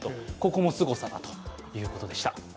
ここもすごさだということでした。